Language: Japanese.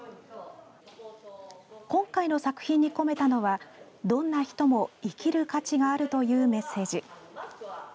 今回の作品に込めたのはどんな人も生きる価値があるというメッセージ。